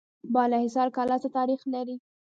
بالاحصار کلا څه تاریخ لري؟